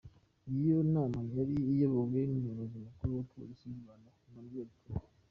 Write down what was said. Iyo nama yari iyobowe n’Umuyobozi Mukuru wa Polisi y’u Rwanda, Emmanuel K.